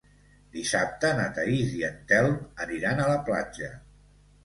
Dissabte na Thaís i en Telm aniran a la platja.